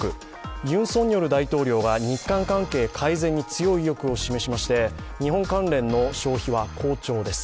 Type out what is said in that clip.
ユン・ソンニョル大統領が日韓関係改善に強い意欲を示しまして日本関連の消費は好調です。